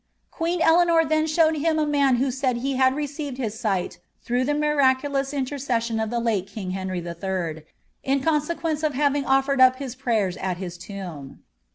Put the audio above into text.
Queen Eleanor then showed him Dsan who said be had received his sight through the miraculous inters •ition of the late king Uenty III., in consequence of having ofiered up I prayers at his tomb.